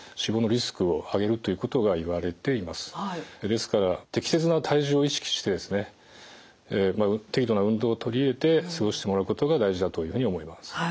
ですから適切な体重を意識して適度な運動を取り入れて過ごしてもらうことが大事だというふうに思います。